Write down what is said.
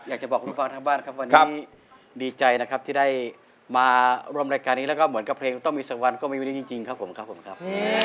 อยากจะบอกคุณฟังทางบ้านครับวันนี้ดีใจนะครับที่ได้มาร่วมรายการนี้แล้วก็เหมือนกับเพลงต้องมีสักวันก็มีวันนี้จริงครับผมครับผมครับ